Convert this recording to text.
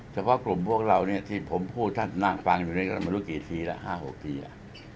เฉพาะกลุ่มพวกเราเนี่ยที่ผมพูดท่านน่าฟังอยู่ในการมันรู้กี่ทีแล้ว๕๖ทีอ่ะ